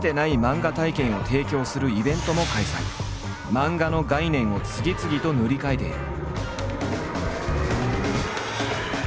漫画の概念を次々と塗り替えている。